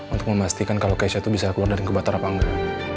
untuk memastikan kalau keisha itu bisa keluar dari kebakaran apa enggak